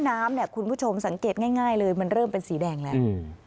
น้ำเนี่ยคุณผู้ชมสังเกตง่ายเลยมันเริ่มเป็นสีแดงแล้ว